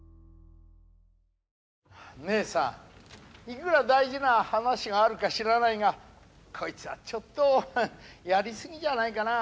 いくら大事な話があるか知らないがこいつはちょっとやり過ぎじゃないかな。